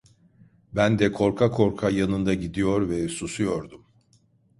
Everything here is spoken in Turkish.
Ben de korka korka yanında gidiyor ve susuyordum.